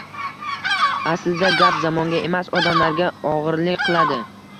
Aslida gap zamonga emas, odamlarga og‘irlik qiladi.